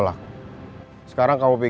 kalau kan dia menyerah kemana saja berhasil